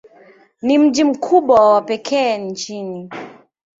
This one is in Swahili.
Ni mji mkubwa wa pekee nchini.